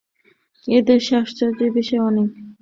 এ দেশে আশ্চর্যের বিষয় অনেক।